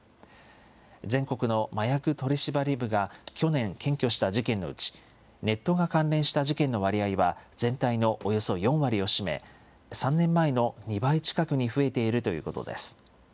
全国の麻薬取締部が去年検挙した事件のうち、ネットが関連した事件の割合は全体のおよそ４割を占め、３年前の２倍近くに増えているということです。